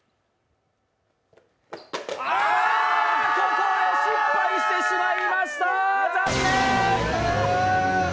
ここで失敗してしまいました、残念！